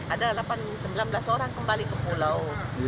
ada sembilan belas orang kembali ke pulau